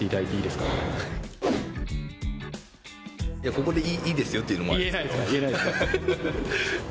ここで「いいですよ」って言うのもあれですけど。